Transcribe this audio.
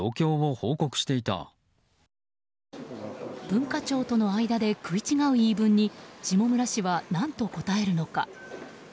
文化庁との間で食い違う言い分に下村氏は何と答えるのか。